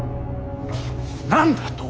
何だと！